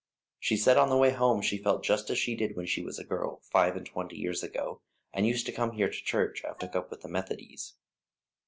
She said on the way home she felt just as she did when she was a girl, five and twenty years ago, and used to come over here to church, afore she took up with the Methodies."